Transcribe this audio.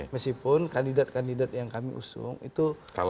meskipun kandidat kandidat yang kami usung itu